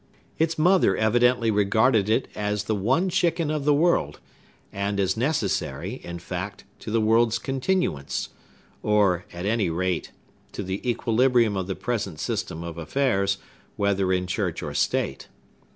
Its mother evidently regarded it as the one chicken of the world, and as necessary, in fact, to the world's continuance, or, at any rate, to the equilibrium of the present system of affairs, whether in church or state.